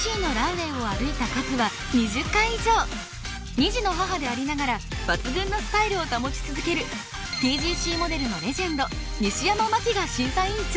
２児の母でありながら抜群のスタイルを保ち続けるＴＧＣモデルのレジェンド西山茉希が審査員長。